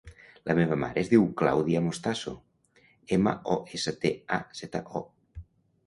La meva mare es diu Clàudia Mostazo: ema, o, essa, te, a, zeta, o.